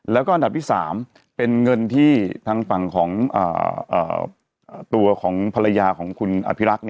แล้วก็อันดับที่๓เป็นเงินที่ทางฝั่งของตัวของภรรยาของคุณอภิรักษ์